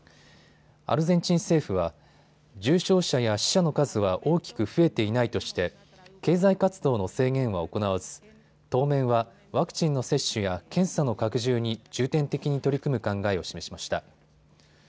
アルゼンチン政府は重症者や死者の数は大きく増えていないとして経済活動の制限は行わず当面はワクチンの接種や検査の拡充に重点的に取り組む考えを示しました。